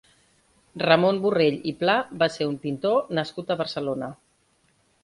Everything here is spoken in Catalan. Ramon Borrell i Pla va ser un pintor nascut a Barcelona.